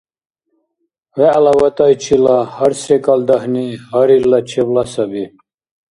ВегӀла ватӀайчила гьар-секӀал дагьни – гьарилла чебла саби.